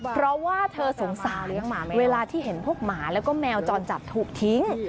เพราะว่าเธอสงสารเลี้ยงหมาเวลาที่เห็นพวกหมาแล้วก็แมวจรจัดถูกทิ้ง